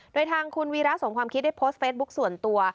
โดยทางคุณวีระสมความคิดได้โพสต์เฟซบุ๊คส่วนตัว